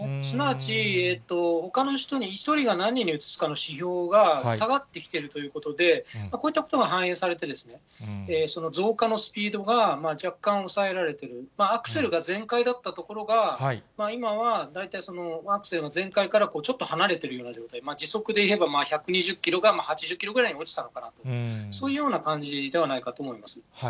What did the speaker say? すなわち、ほかの人に１人が何人にうつすかの指標が下がってきているということで、こういったことが反映されて、その増加のスピードが若干抑えられている、アクセルが全開だったところが、今は大体そのアクセルが全開からちょっと離れてるような状態、時速でいえば、１２０キロが８０キロぐらいに落ちたのかなと、そういうような感じではないかと思います。